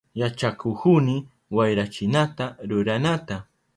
Yachakuhuni wayrachinata ruranata.